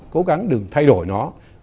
cố gắng đừng thay đổi nó